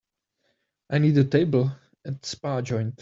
I need a table at spa joint